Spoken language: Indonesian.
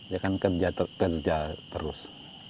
dia kan kerja terus